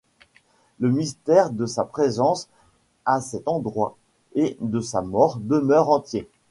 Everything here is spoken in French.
Le mystère de sa présence à cet endroit et de sa mort demeure entier.